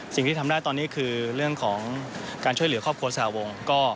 สิ่งที่ทำได้ตอนนี้คือเรื่องของการช่วยเหลือครอบครัวสหวง